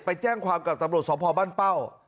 ไปแจ้งความกับตำรวจสพบ้านเป้า